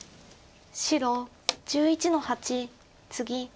白１１の八ツギ。